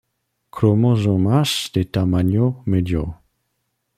Cromosomas de ‘tamaño medio’.